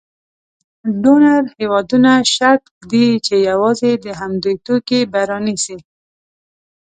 ډونر هېوادونه شرط ږدي چې یوازې د همدوی توکي به رانیسي.